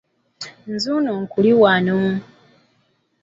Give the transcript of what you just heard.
Nzuuno nkuli wano.